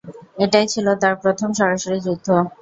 এটাই ছিল তার প্রথম সরাসরি যুদ্ধ।